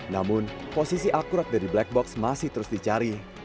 namun posisi akurat dari black box masih terus dicari